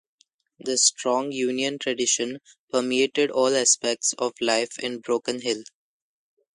This strong union tradition permeated all aspects of life in Broken Hill.